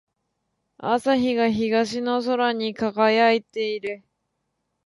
朝日が東の空に輝いている。